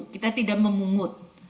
kita tidak memungut